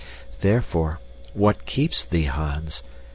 Therefore, "What keeps thee, Hans?"